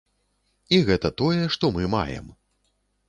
І гэта тое, што мы маем.